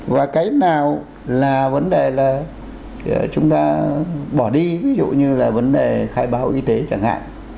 và cái nào là vấn đề là chúng ta bỏ đi ví dụ như là vấn đề khai báo y tế chẳng hạn